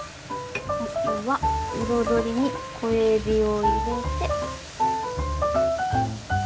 あとは彩りに小エビを入れて。